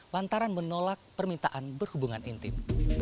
lantaran menolak permintaan berhubungan intim